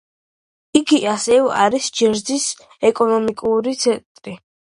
იგი ასევე არის ჯერზის ეკონომიკური ცენტრი.